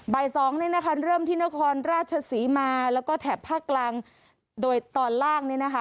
สองเนี่ยนะคะเริ่มที่นครราชศรีมาแล้วก็แถบภาคกลางโดยตอนล่างเนี่ยนะคะ